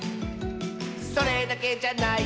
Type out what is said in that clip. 「それだけじゃないよ」